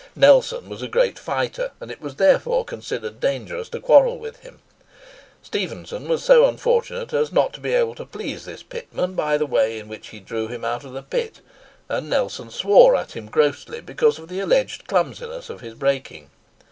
Nelson was a great fighter; and it was therefore considered dangerous to quarrel with him. Stephenson was so unfortunate as not to be able to please this pitman by the way in which he drew him out of the pit; and Nelson swore at him grossly because of the alleged clumsiness of his brakeing.